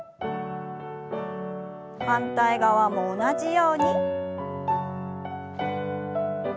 反対側も同じように。